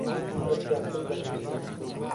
دەستیان كرد بە نوسین